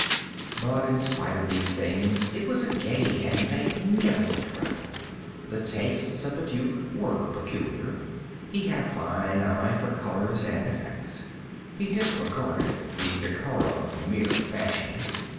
But, in spite of these things, it was a gay and magnificent revel. The tastes of the duke were peculiar. He had a fine eye for colors and effects. He disregarded the decora of mere fashion.